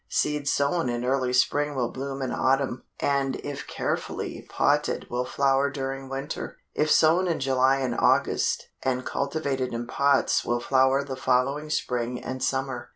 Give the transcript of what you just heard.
Seeds sown in early spring will bloom in autumn, and if carefully potted will flower during winter; if sown in July and August, and cultivated in pots will flower the following spring and summer.